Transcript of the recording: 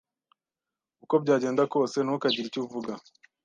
uko byagenda kose, ntukagire icyo uvuga.